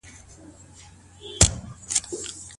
که په نصيحت او وعظ سره اصلاح رانغله څه وسي؟